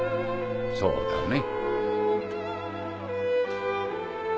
そうだね。